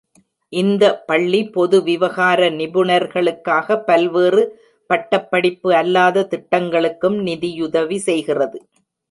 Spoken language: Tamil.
இந்த பள்ளி பொது விவகார நிபுணர்களுக்காக பல்வேறு பட்டப்படிப்பு அல்லாத திட்டங்களுக்கும் நிதியுதவி செய்கிறது.